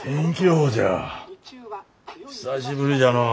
久しぶりじゃのう。